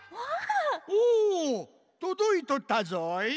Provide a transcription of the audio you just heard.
おおとどいとったぞい。